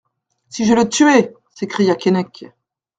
Si je le tuais ! s'écria Keinec.